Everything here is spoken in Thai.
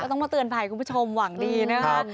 ต้องมาเตือนภัยคุณผู้ชมหวังดีนะคะ